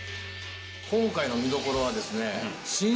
今回の見どころはですね。